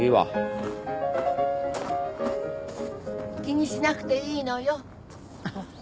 ・気にしなくていいのよ。